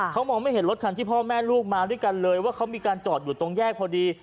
เขามองไม่เห็นรถคันที่พ่อแม่ลูกมาด้วยกันเลยว่าเขามีการจอดอยู่ตรงแยกพอดี